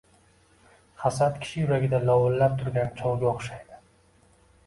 Hasad kishi yuragida lovullab turgan cho‘g‘ga o‘xshaydi.